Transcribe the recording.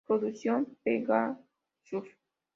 Producción: Pegasus.